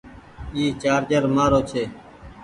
اي چآرجر مآرو ڇي ۔